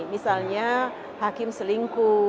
misalnya hakim selingkuh